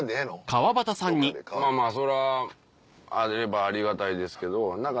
まぁまぁそらあればありがたいですけど。